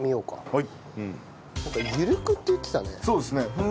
はい。